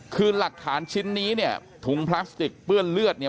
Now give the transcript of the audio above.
คือหลักฐานชิ้นนี้เนี่ยถุงพลาสติกเปื้อนเลือดเนี่ย